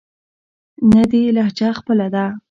نه دې لهجه خپله ده.